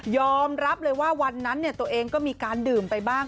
อมรับเลยว่าวันนั้นตัวเองก็มีการดื่มไปบ้าง